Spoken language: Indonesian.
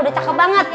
udah cakep banget